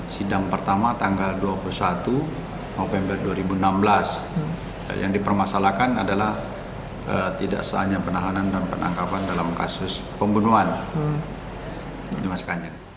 sidang pertama tanggal dua puluh satu november dua ribu enam belas yang dipermasalahkan adalah tidak saatnya penahanan dan penangkapan dalam kasus pembunuhan dimas kanjeng